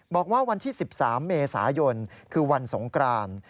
บอกว่าวันที่๑๓เมษายนคือวันสงกราน